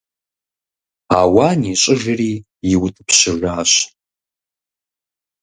Ауан ищӀыжри иутӀыпщыжащ.